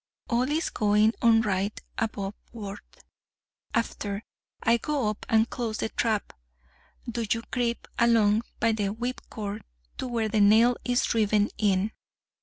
All is going on right aboveboard. After I go up and close the trap, do you creep along by the whipcord to where the nail is driven in.